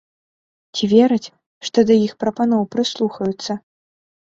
Ці вераць, што да іх прапаноў прыслухаюцца?